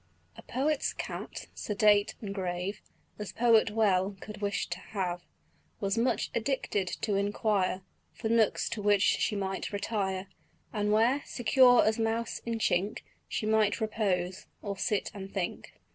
A poet's cat, sedate and grave As poet well could wish to have, Was much addicted to inquire For nooks to which she might retire, And where, secure as mouse in chink, She might repose, or sit and think.